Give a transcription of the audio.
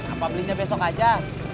apa belinya besok aja